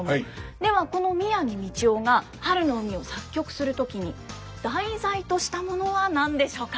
ではこの宮城道雄が「春の海」を作曲する時に題材としたものは何でしょうか？